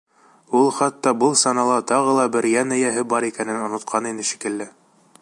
Ул хатта был санала тағы ла бер йән эйәһе бар икәнен онотҡан ине шикелле.